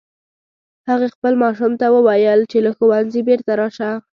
هغې خپل ماشوم ته وویل چې له ښوونځي بیرته راشه